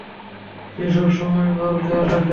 সে সবসময় ওর খেয়াল রাখে।